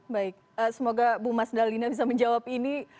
baik semoga ibu mas lina bisa menjawab ini